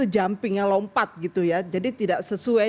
jumping lompat jadi tidak sesuai